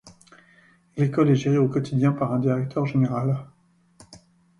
L'école est gérée au quotidien par un directeur général.